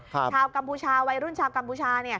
ชาวกัมพูชาวัยรุ่นชาวกัมพูชา